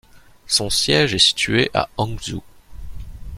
Son siège est situé à Hangzhou.